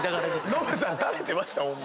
ノブさん食べてました